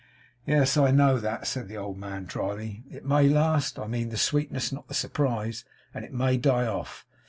'Yes, I know that,' said the old man, drily. 'It may last; I mean the sweetness, not the surprise; and it may die off.